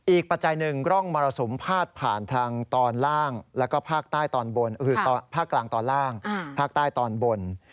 อีกปัจจัยหนึ่งร่องมรสมภาดผ่านทางตอนล่างและภาคกลางตอนล่างภาคใต้ตอนบน